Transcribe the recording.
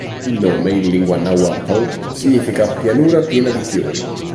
Il nome in lingua nahuatl significa "pianura piena di fiori".